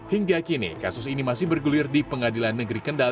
hingga kini kasus ini masih bergulir di pengadilan negeri kendal